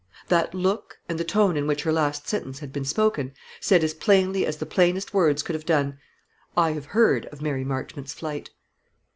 That look, and the tone in which her last sentence had been spoken, said as plainly as the plainest words could have done, "I have heard of Mary Marchmont's flight."